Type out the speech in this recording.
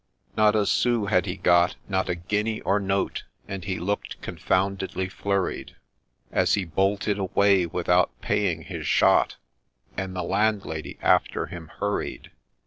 :— Not a sous had he got, — not a guinea or note, And he look'd confoundedly flurried, As he bolted away without paying his shot, And the Landlady after him hurried.